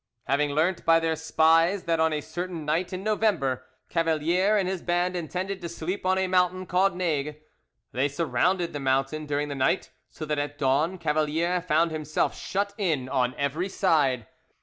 Having learnt by their spies that on a certain night in November Cavalier and his band intended to sleep on a mountain called Nages, they surrounded the mountain during the night, so that at dawn Cavalier found himself shut in on every side.